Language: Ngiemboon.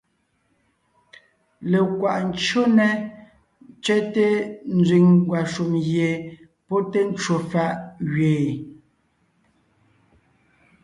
Lekwaʼ ncÿó nɛ́ tsẅɛ́te nzẅìŋ ngwàshùm gie pɔ́ té ncwò fàʼ gẅeen,